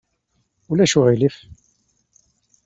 Ulac uɣilif.